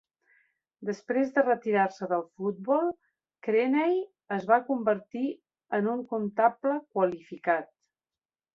Després de retirar-se del futbol, Creaney es va convertir en un comptable qualificat.